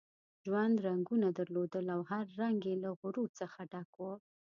ژوند رنګونه درلودل او هر رنګ یې له غرور څخه ډک وو.